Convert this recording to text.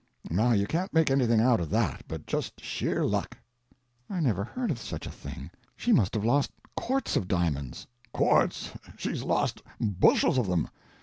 Now you can't make anything out of that but just sheer luck." "I never heard of such a thing. She must have lost quarts of diamonds." "Quarts, she's lost bushels of them.